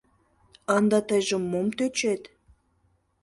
— Ынде тыйже мом тӧчет!